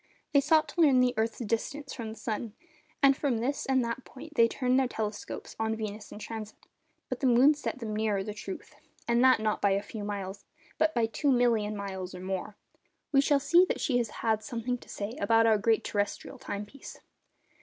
They sought to learn the earth's distance from the sun, and from this and that point they turned their telescopes on Venus in transit; but the moon set them nearer the truth, and that not by a few miles, but by 2,000,000 miles or more. We shall see that she has had something to say about our great terrestrial time piece.